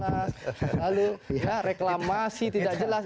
lalu reklamasi tidak jelas